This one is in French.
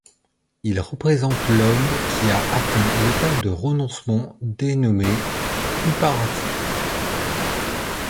Il représente l'homme qui a atteint l'état de renoncement dénommé uparati.